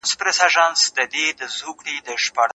تاسو کولای سئ په خپله ټولنه کي د ارتقا پړاوونه ووهئ.